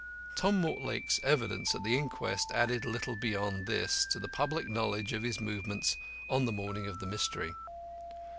Tom Mortlake's evidence at the inquest added little beyond this to the public knowledge of his movements on the morning of the Mystery.